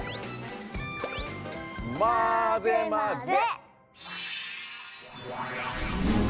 まぜまぜ！